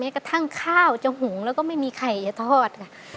แม้กระทั่งข้าวจะห่วงแล้วก็ไม่มีไข่จะทอด